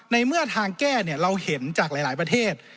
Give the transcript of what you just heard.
ในเมื่อทางแก้เราเห็นจากหลายประเทศ